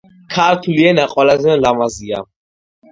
ქართული ენა ყველაზე ლამაზია